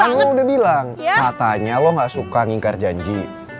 lo udah bilang katanya lo gak suka ngingkar janji